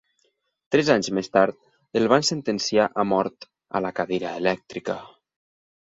Tres anys més tard, el van sentenciar a mort a la cadira elèctrica.